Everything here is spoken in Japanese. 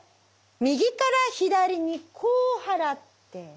右から左にこう払って。